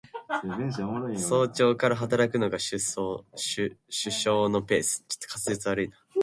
早朝から働くのが首相のペース